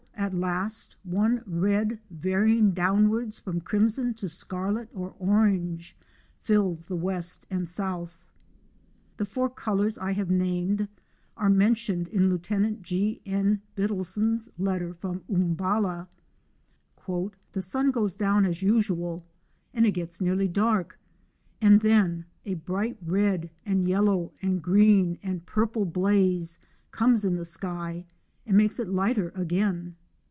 at last one red, varying downwards from crimson to scarlet or orange fills the west and south. The four colours I have named are mentioned in Lieut. G. N. Bittleston's letter from Umballa :" The sun goes down as usual and it gets nearly dark, and then a bright red and yellow and green and purple blaze comes in the sky and makes it lighter again.''